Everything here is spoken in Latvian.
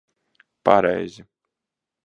Pareizi.